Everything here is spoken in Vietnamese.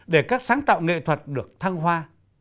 để các sáng tạo nghệ thuật được thăng hoa